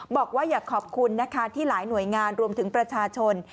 บอกว่าอยากขอบคุณนะคะที่หลายหน่วยงานรวมถึงประชาชน